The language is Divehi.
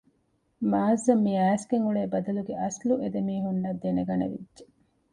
މާޒްއަށް މި އައިސްގެން އުޅޭ ބަދަލުގެ އަސްލު އެދެމީހުންނަށް ދެނެގަނެވިއްޖެ